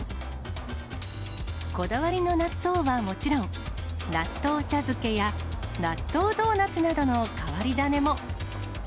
こだわりの納豆はもちろん、納豆茶漬けや納豆ドーナツなどの変わり種も。